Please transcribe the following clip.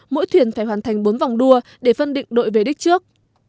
mỗi thuyền phải hoàn thành bốn vòng đua để phân định đội về đích trước